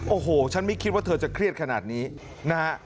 โอ้โหฉันไม่คิดว่าเธอจะเครียดขนาดนี้นะฮะ